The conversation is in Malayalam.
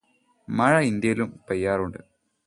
മഴ ഇന്ത്യയിലും പെയ്യാറുണ്ട്